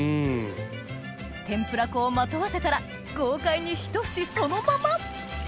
天ぷら粉をまとわせたら豪快にひと節そのまま！